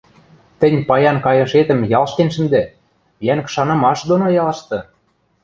Тӹнь паян кайышетӹм ялштен шӹндӹ, йӓнг шанымаш доно ялшты!..